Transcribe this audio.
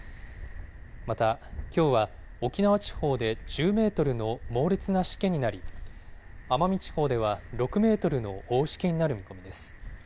また、きょうは沖縄地方で１０メートルの猛烈なしけになり、奄美地方では６メートルの大しけになる見込みです。